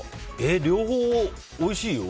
両方おいしいよ。